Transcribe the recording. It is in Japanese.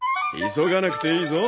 急がなくていいぞ。